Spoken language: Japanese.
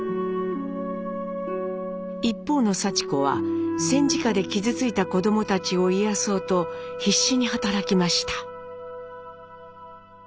一方のさち子は戦時下で傷ついた子どもたちを癒やそうと必死に働きました。